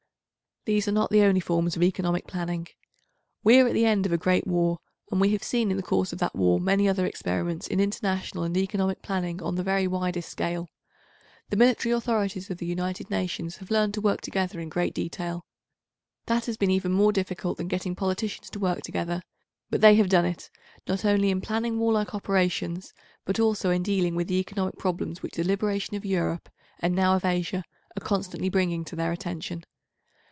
These are not the only forms of economic planning. We are at the end of a great war, and we have seen in the course of that war many other experiments 868 in international and economic planning on the very widest scale. The military authorities of the United Nations have learned to work together in great detail. That has been even more difficult than getting politicians to work together, but they have done it, not only in planning warlike operations but also in dealing with the economic problems which the liberation of Europe, and now of Asia, are constantly bringing to their attention.